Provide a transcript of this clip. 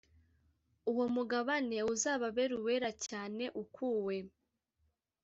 uwo mugabane uzababere uwera cyane ukuwe